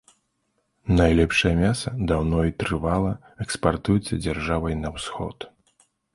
Найлепшае мяса даўно і трывала экспартуецца дзяржавай на ўсход.